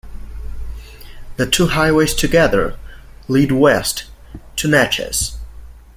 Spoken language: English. The two highways together lead west to Natchez.